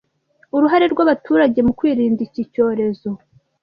Uruhare rw’abaturage mukwirinda icyi cyorezo